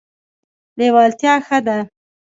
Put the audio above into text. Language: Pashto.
لیوالتیا ښه ده.